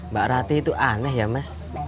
mbak ratih tuh aneh ya mas